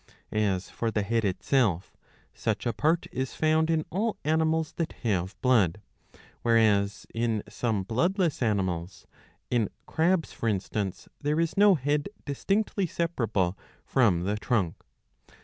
As for the head itself, such a part is found in all animals that have blood ; whereas in some bloodless animals, in crabs for instance, there is no head distinctly separable from the trunk.